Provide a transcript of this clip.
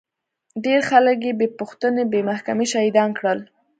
ډېر خلک يې بې پوښتنې بې محکمې شهيدان کړل.